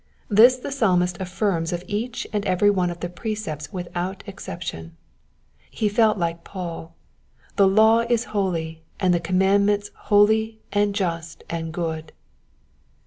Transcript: This the Psalmist affirms of each and every one of the precepts without exception. He felt like Paul— The law is holy, and the commandment holy and just and good."